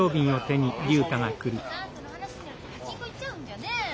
その話になるとパチンコ行っちゃうんだよね。